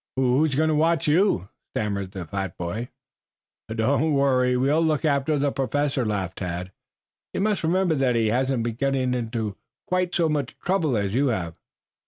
"Who who's going to watch you?" stammered the fat boy. "Don't worry. We will look after the Professor," laughed Tad. "You must remember that he hasn't been getting into quite so much trouble as you have."